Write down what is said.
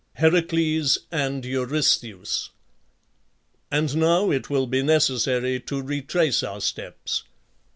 HERACLES AND EURYSTHEUS. And now it will be necessary to retrace our steps.